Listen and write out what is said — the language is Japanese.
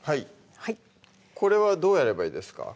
はいこれはどうやればいいですか？